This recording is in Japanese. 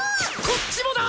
こっちもだ！